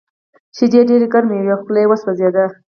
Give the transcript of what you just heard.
شیدې ډېرې ګرمې وې او خوله یې وسوځېده